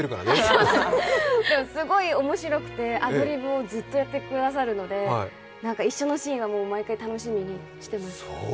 すごい面白くてアドリブをずっとやってくださるので一緒のシーンは毎回楽しみにしてます。